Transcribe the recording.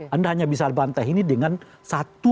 anda hanya bisa bantah ini dengan satu